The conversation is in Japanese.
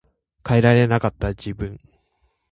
変えられなかった自分